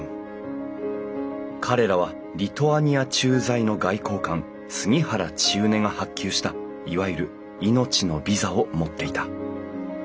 彼らはリトアニア駐在の外交官杉原千畝が発給したいわゆる「命のビザ」を持っていた。